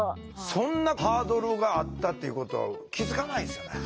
そんなハードルがあったっていうことは気付かないですよね。